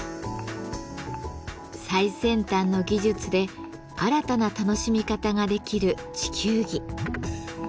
最先端の技術で新たな楽しみ方ができる地球儀。